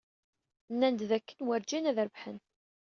Nnan-d dakken werǧin ad rebḥen.